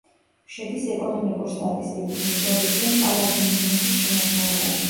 შედის ეკონომიკურ-სტატისტიკურ მიკრორეგიონ პარა-დი-მინასის შემადგენლობაში.